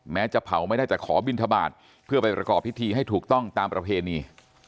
จะเผาไม่ได้แต่ขอบินทบาทเพื่อไปประกอบพิธีให้ถูกต้องตามประเพณี